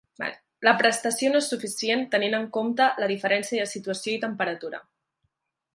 La prestació no és suficient tenint en compte la diferència de situació i temperatura.